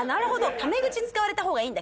タメ口使われた方がいいんだ。